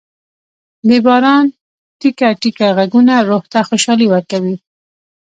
د باران ټېکه ټېکه ږغونه روح ته خوشالي ورکوي.